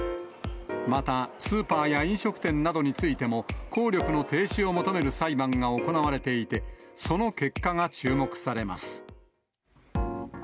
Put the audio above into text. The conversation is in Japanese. また、スーパーや飲食店などについても、効力の停止を求める裁判が行われていて、その結果が注目されます。